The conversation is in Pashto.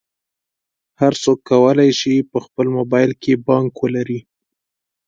هر څوک کولی شي په خپل موبایل کې بانک ولري.